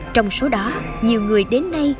trong số đó nhiều người đến nay